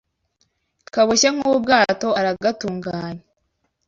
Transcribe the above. kaboshye nk’ubwato aragatunganya